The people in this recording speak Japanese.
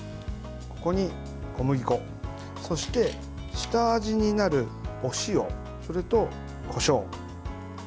ここに小麦粉そして、下味になるお塩それと、こしょう。